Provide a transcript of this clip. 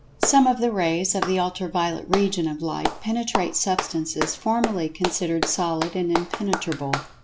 Some of the rays of the Ultra violet region of Light penetrate substances formerly considered solid and impenetrable.